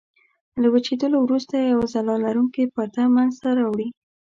له وچېدلو وروسته یوه ځلا لرونکې پرده منځته راوړي.